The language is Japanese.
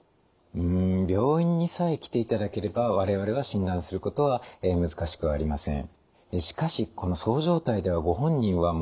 うん病院にさえ来ていただければ我々が診断することは難しくありません。